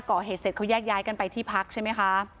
ก่อเหตุเสร็จเขาแยกย้ายกันไปที่พักใช่ไหมคะ